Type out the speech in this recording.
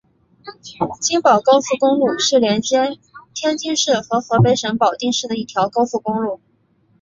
津保高速公路是连接天津市和河北省保定市的一条高速公路。